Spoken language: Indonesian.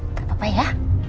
gak apa apa ya